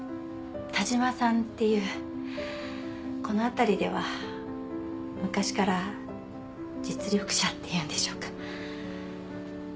田島さんっていうこの辺りでは昔から実力者っていうんでしょうか。